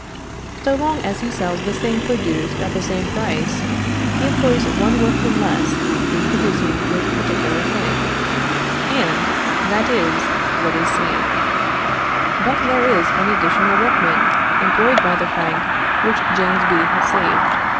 So long as he sells the thing produced at the same price, he employs one workman less in producing this particular thing, and that is what is seen; but there is an additional workman employed by the franc which James B. has saved.